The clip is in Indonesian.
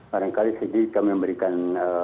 barangkali sedikit kami memberikan